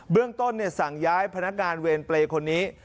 เบื้องต้นเนี่ยสั่งย้ายพนักงานเวรเปลคนนี้